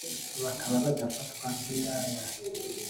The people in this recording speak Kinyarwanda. bakaba badafatwa nk'indaya